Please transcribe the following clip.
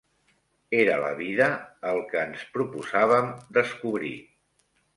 Era la vida el què ens proposàvem descobrir